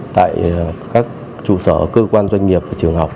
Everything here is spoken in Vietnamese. tại các trụ sở cơ quan doanh nghiệp và trường học